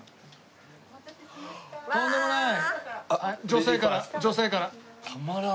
女性から女性から。